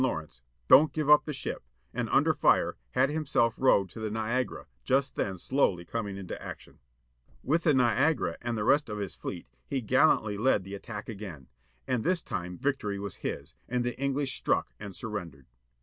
H' 30 BATTLE OF LAKE ERIE, 1813 Lawrence,â " Don't give up the Ship," and, under fire, had himself rowed to the Niagara, just then slowly coming into action. With the Niagara, and the rest of his fleet, he gallantly led the attack again. And this time victory was his, and the EngHsh "struck" and surrendered.